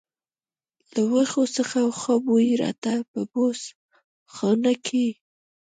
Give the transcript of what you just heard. له وښو څخه ښه بوی راته، په بوس خونه کې.